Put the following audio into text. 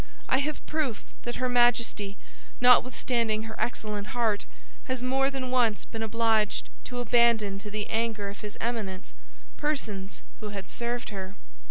I have proof that her Majesty, notwithstanding her excellent heart, has more than once been obliged to abandon to the anger of his Eminence persons who had served her."